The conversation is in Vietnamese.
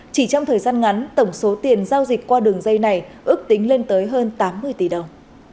chỉ trong thời gian ngắn tổng số tiền giao dịch qua đường dây này ước tính lên tới hơn tám mươi tỷ đồng